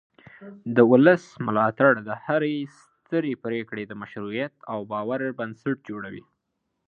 د ولس ملاتړ د هرې سترې پرېکړې د مشروعیت او باور بنسټ جوړوي